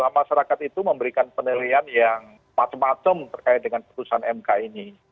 masyarakat itu memberikan penilaian yang macam macam terkait dengan putusan mk ini